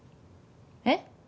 えっ？